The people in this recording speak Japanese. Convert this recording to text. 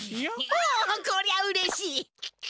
おこりゃうれしい。